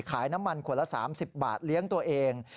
ขายน้ำมันขวดละ๓๐บาทเลี้ยงตัวเอง